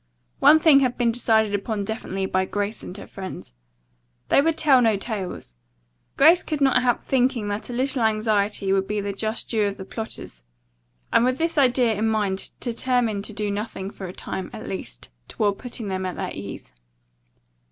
One thing had been decided upon definitely by Grace and her friends. They would tell no tales. Grace could not help thinking that a little anxiety would be the just due of the plotters, and with this idea in mind determined to do nothing for a time, at least, toward putting them at their ease.